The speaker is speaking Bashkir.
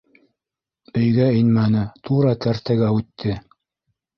Өйгә инмәне, тура кәртәгә үтте.